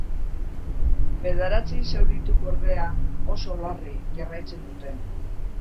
Bederatzi zaurituk, ordea, oso larri jarraitzen dute.